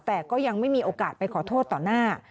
แต่ก็ยังไม่มีโอกาสไปขอโทษต่อหน้า